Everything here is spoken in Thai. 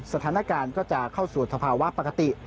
สถานการณ์ก็จะเข้าสู่สภาวะปกติ